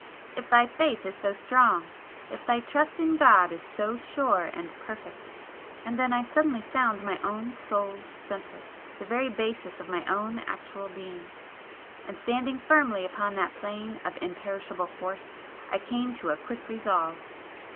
If thy faith is so strong! If thy trust in God is so sure and perfect!" And then I suddenly found my own Soul's centre, the very basis of my own actual being and standing firmly upon that plane of imperishable force, I came to a quick resolve.